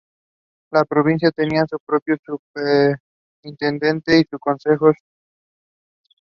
La provincia tenía su propio superintendente y consejo provincial elegidos.